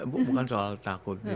bukan soal takut